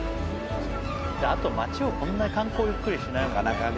あと街をこんな観光ゆっくりしないもんね。